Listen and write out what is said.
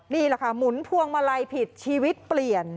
นี่แหละค่ะหมุนพวงมาลัยผิดชีวิตเปลี่ยน